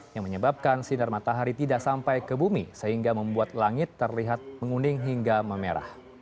yang menyebabkan sinar matahari tidak sampai ke bumi sehingga membuat langit terlihat menguning hingga memerah